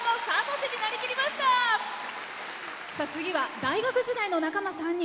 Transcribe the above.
次は大学時代の仲間３人。